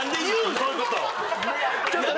そういうこと。